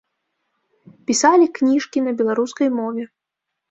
Пісалі кніжкі на беларускай мове.